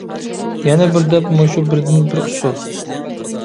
يەنە بىر دەپ مۇشۇ بىردىن بىر ئۇسۇل!